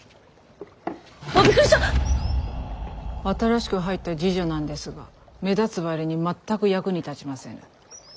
新しく入った侍女なんですが目立つ割に全く役に立ちませぬ。